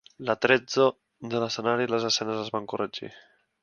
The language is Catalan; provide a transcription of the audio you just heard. L'atrezzo de l'escenari i les escenes es van corregir.